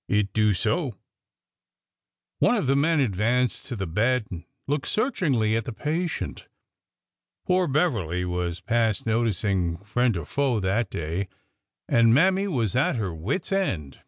It do so !" One of the men advanced to the bed and looked search ingly at the patient. Poor Beverly was past noticing friend or foe that day, and Mammy was at her wits' end.